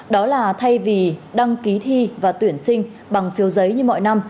đó là thay vì đăng ký thi và tuyển sinh bằng phiếu giấy như mọi năm